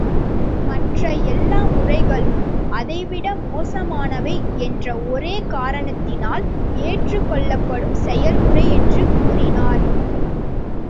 மற்ற எல்லா முறைகளும் அதைவிட மோசமானவை என்ற ஒரே காரணத்தினால் ஏற்றுக் கொள்ளப்படும் செயல்முறை என்று கூறினார்.